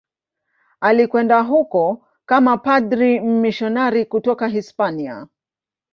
Alikwenda huko kama padri mmisionari kutoka Hispania.